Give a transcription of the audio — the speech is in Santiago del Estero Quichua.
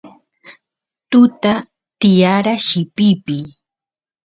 tuta tiyara llipipiy